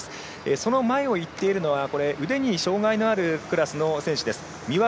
その前を行っているのは腕に障がいのあるクラスの選手です。